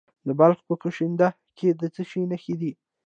د بلخ په کشنده کې د څه شي نښې دي؟